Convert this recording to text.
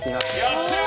よっしゃ！